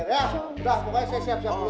ya sudah pokoknya saya siap siap dulu